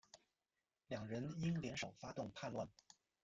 两人因而联手发动叛乱。